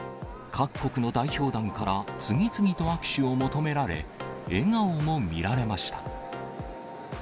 各国の代表団から次々と握手を求められ、笑顔も見られました。